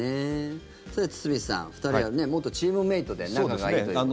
さて、堤さん２人は元チームメートで仲がいいということで。